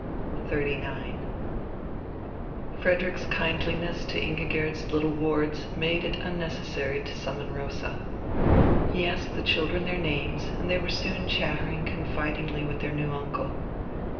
XXXIX Frederick's kindliness to Ingigerd's little wards made it unnecessary to summon Rosa. He asked the children their names, and they were soon chattering confidingly with their new uncle.